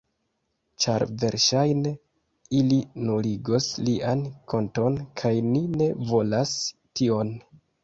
Ĉar verŝajne ili nuligos lian konton kaj ni ne volas tion.